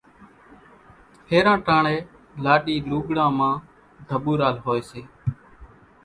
ڦيران ٽاڻيَ لاڏِي لُوڳڙان مان ڍٻورال هوئيَ سي۔